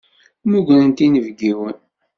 Mmugrent inebgiwen.